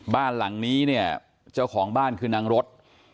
บ้านหลังนี้เนี่ยเจ้าของบ้านคือนางรถ